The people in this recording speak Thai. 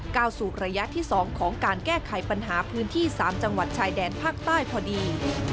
สู่ระยะที่๒ของการแก้ไขปัญหาพื้นที่๓จังหวัดชายแดนภาคใต้พอดี